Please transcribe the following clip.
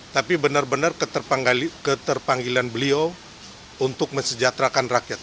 tapi benar benar keterpanggilan beliau untuk mensejahterakan rakyat